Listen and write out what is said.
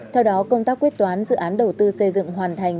theo đó công tác quyết toán dự án đầu tư xây dựng hoàn thành